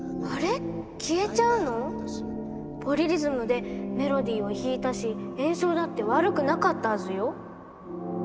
ポリリズムでメロディーを弾いたし演奏だって悪くなかったはずよ。